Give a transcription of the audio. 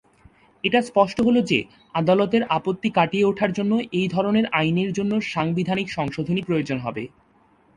এটা স্পষ্ট হল যে, আদালতের আপত্তি কাটিয়ে ওঠার জন্য এই ধরনের আইনের জন্য সাংবিধানিক সংশোধনী প্রয়োজন হবে।